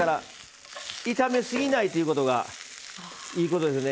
炒めすぎないということがいいことですね。